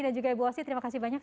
dan juga ibu osi terima kasih banyak